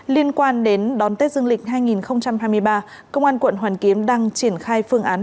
liên quan đến đón tết dương lịch hai nghìn hai mươi ba công an quận hoàn kiếm đang triển khai phương án